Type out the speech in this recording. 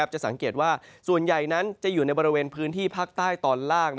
จะสังเกตว่าส่วนใหญ่นั้นจะอยู่ในบริเวณพื้นที่ภาคใต้ตอนล่าง